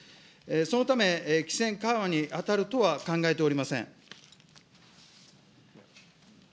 そのため、規制緩和に当たるとは考えておりません。